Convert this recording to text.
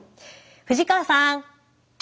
藤川さん。